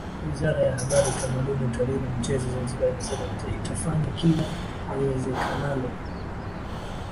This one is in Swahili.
Wizara ya Habari Utamaduni Utalii na Michezo Zanzibar imesema itafanya kila liwezekanalo